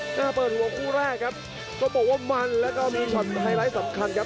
หน้าเปิดหัวคู่แรกครับต้องบอกว่ามันแล้วก็มีช็อตไฮไลท์สำคัญครับ